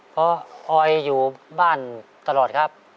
เพราะออยอยู่บ้านตลอดครับ